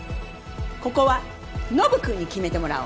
ここはノブ君に決めてもらお。